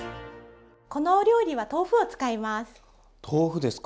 このお料理は豆腐を使います。